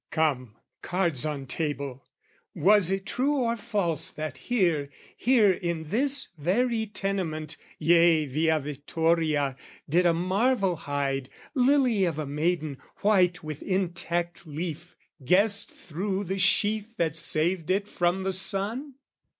Come, cards on table; was it true or false That here here in this very tenement Yea, Via Vittoria did a marvel hide, Lily of a maiden, white with intact leaf Guessed thro' the sheath that saved it from the sun?